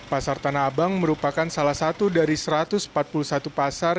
pasar tanah abang merupakan salah satu dari satu ratus empat puluh satu pasar